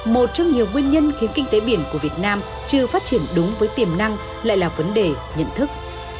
một trong nhiều nguyên nhân khiến kinh tế biển của việt nam chưa phát triển đúng với tiềm năng lại là vấn đề nhận thức